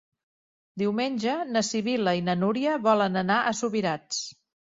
Diumenge na Sibil·la i na Núria volen anar a Subirats.